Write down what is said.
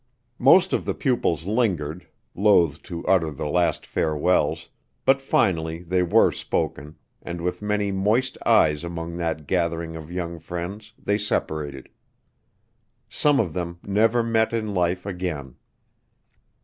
Most of the pupils lingered, loth to utter the last farewells, but finally they were spoken, and with many moist eyes among that gathering of young friends they separated. Some of them never met in life again.